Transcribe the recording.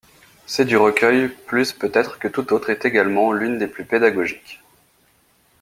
C'est du recueil, plus peut-être que tout autre et également l'une des plus pédagogique.